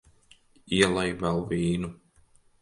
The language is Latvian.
Ielej vēl vīnu.